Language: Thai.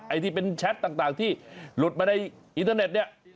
ไอ้ที่เป็นแชทต่างที่หลุดมาในอินเทอร์เน็ตเนี่ย